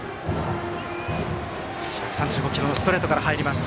１３５キロのストレートから入ります。